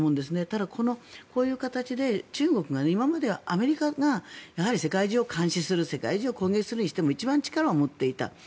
ただ、こういう形で中国が今までアメリカが世界中を監視する世界中を攻撃するにしても一番力を持っていた。